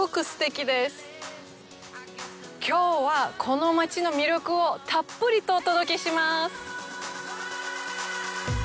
きょうは、この街の魅力をたっぷりとお届けします！